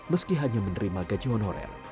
meski hanya menerima gaji honorer